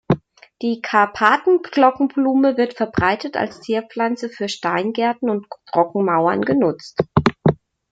Die Karpaten-Glockenblume wird verbreitet als Zierpflanze für Steingärten und Trockenmauern genutzt.